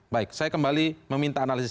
baik saya kembali meminta analisis